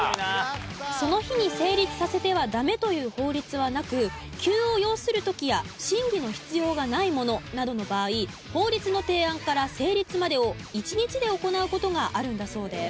その日に成立させてはダメという法律はなく急を要する時や審議の必要がないものなどの場合法律の提案から成立までを１日で行う事があるんだそうです。